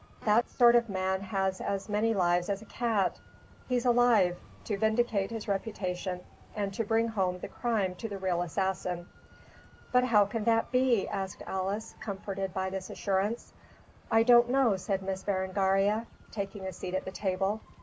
That sort of man has as many lives as a cat. He's alive, to vindicate his reputation and to bring home the crime to the real assassin." "But who can that be?" asked Alice, comforted by this assurance. "I don't know," said Miss Berengaria, taking a seat at the table.